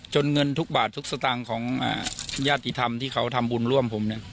เงินทุกบาททุกสตางค์ของญาติธรรมที่เขาทำบุญร่วมผมเนี่ย